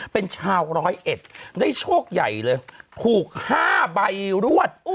เป็นชาวร้อยเอ็ดได้โชคใหญ่เลยถูก๕ใบรวด